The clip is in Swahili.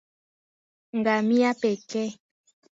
Ngamia pekee